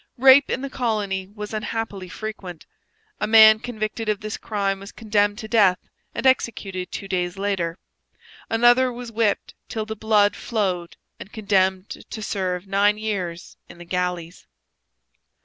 Rape in the colony was unhappily frequent. A man convicted of this crime was condemned to death and executed two days later. Another was whipped till the blood flowed and condemned to serve nine years in the galleys.